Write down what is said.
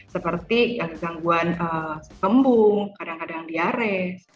seperti gangguan kembung kadang kadang diare